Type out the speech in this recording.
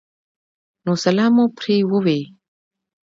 نو سلام مو پرې ووې